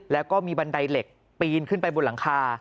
แล้วก็มีบันไดเหล็กปีนขึ้นไปบนหลังคา